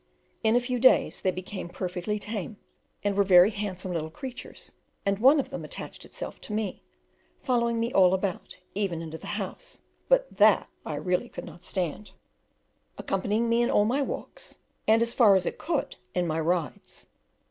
In a few days they became perfectly tame, and were very handsome little creatures; and one of them attached itself to me, following me all about, even into the house (but that I really could not stand), accompanying me in all my walks, and, as far as it could, in my rides.